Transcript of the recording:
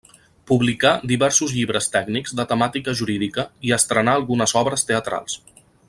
Publicà diversos llibres tècnics de temàtica jurídica i estrenà algunes obres teatrals.